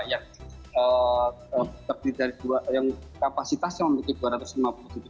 yang kapasitasnya memiliki dua